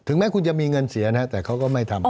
แม้คุณจะมีเงินเสียนะแต่เขาก็ไม่ทำ